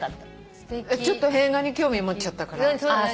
ちょっと映画に興味持っちゃったから。